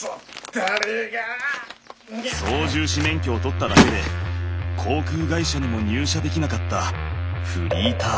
操縦士免許を取っただけで航空会社にも入社できなかったフリーター。